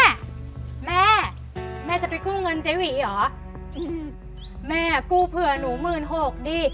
แม่แม่แม่แม่จะไปคู่เงินเจ้าอี๋หรอแม่กูเผื่อหนูหมื่นหกดี